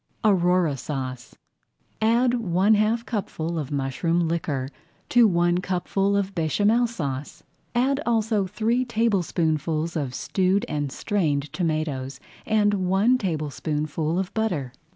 AURORA SAUCE Add one half cupful of mushroom liquor to one cupful of Béchamel Sauce. Add also three tablespoonfuls of stewed and strained tomatoes, and one tablespoonful of butter.